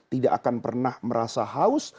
tidak akan pernah merasa haus